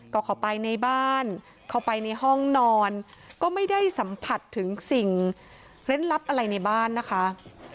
ก็เข้าไปในบ้านเข้าไปในห้องนอนก็ไม่ได้สัมผัสถึงสิ่งเล่นลับอะไรในบ้านนะคะ